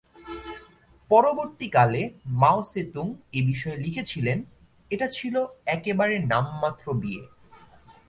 পরবর্তীকালে Mao Tse Tung এবিষয়ে লিখেছিলেন- 'এটা ছিল একেবারে নামমাত্র বিয়ে।